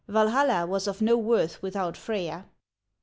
Walhalla was of no worth with out Freya.